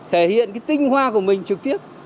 thể hiện cái tinh hoa của mình trực tiếp